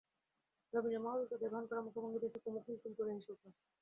নবীনের মহা বিপদের ভান করা মুখভঙ্গি দেখে কুমু খিল খিল করে হেসে উঠল।